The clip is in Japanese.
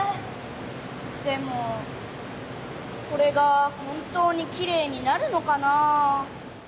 でもこれが本当にきれいになるのかなあ？